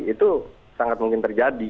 itu sangat mungkin terjadi